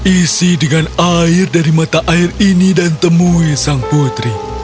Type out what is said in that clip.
isi dengan air dari mata air ini dan temui sang putri